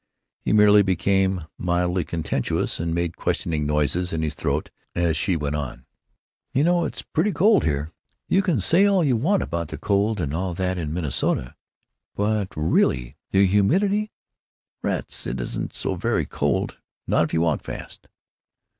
He merely became mildly contentious and made questioning noises in his throat as she went on: "You know it is pretty cold here. They can say all they want to about the cold and all that out in Minnesota, but, really, the humidity——" "Rats; it isn't so very cold, not if you walk fast."